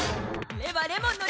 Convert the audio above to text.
レはレモンのレ！